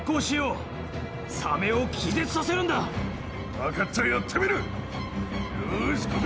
分かったやってみる。